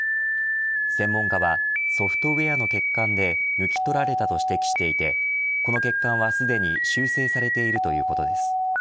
専門家は、ソフトウエアの欠陥で抜き取られたと指摘していてこの欠陥はすでに修正されているということです。